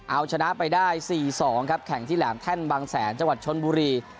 เอาชนะไปได้๔๒ครับแข่งที่แหลมแท่นบางแสนจังหวัดชนบุรี